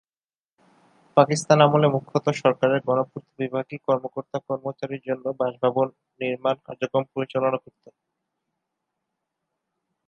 পাকিস্তান আমলে মুখ্যত সরকারের গণপূর্ত বিভাগই কর্মকর্তা-কর্মচারীর জন্য বাসভবন নির্মাণ কার্যক্রম পরিচালনা করত।